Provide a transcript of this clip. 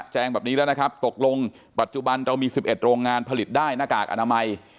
แจ้งแบบนี้แล้วนะครับตกลงปัจจุบันเรามี๑๑โรงงานผลิตได้หน้ากากอนามัย